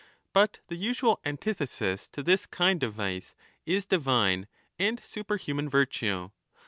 But the usual antithesis to this kind of vice is divine and superhuman virtue.